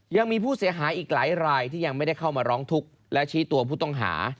ยังมีผู้เสียหายอีกหลายรายที่ยังไม่ได้เข้ามาร้องทุกข์และชี้ตัวผู้ต้องหา